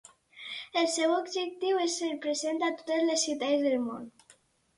El seu objectiu és ser present a totes les ciutats del món.